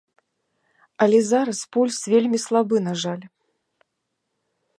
Але зараз пульс вельмі слабы, на жаль.